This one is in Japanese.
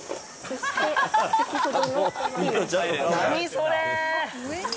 それ！